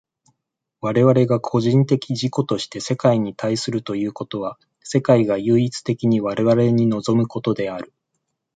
我々が個人的自己として世界に対するということは、世界が唯一的に我々に臨むことである。